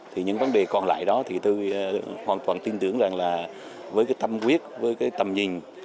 thì những vấn đề còn lại đó tôi hoàn toàn tin tưởng là với tâm quyết tầm nhìn